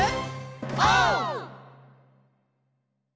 オー！